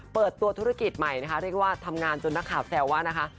เปิดตัวธุรกิจใหม่นะคะเรียกว่าทำงานจนนักข่าวแซวว่านะคะ